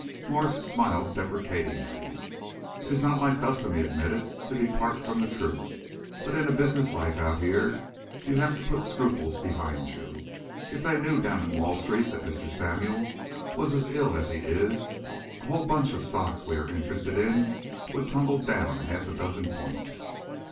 Morse smiled deprecatingly. "It is not my custom," he admitted, "to depart from the truth, but in a business life out here you have to put scruples behind you. If they knew down in Wall Street that Mr. Samuel was as ill as he is, a whole bunch of stocks we are interested in would tumble down half a dozen points.